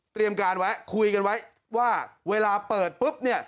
การไว้คุยกันไว้ว่าเวลาเปิดปุ๊บเนี่ย